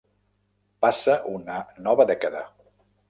Passa una nova dècada.